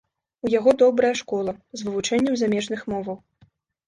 У яго добрая школа, з вывучэннем замежных моваў.